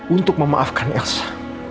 untuk memaafkan elsa